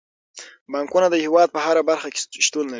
بانکونه د هیواد په هره برخه کې شتون لري.